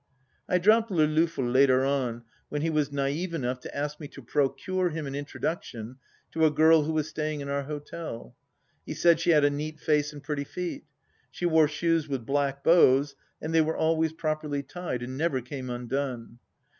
I dropped Le Loffel later on, when he was naive enough to ask me to procure him an introduction to a girl who was staying in our hotel. He said she had a neat face and pretty feet. She wore shoes with black bows, and they were always properly tied and never came undone.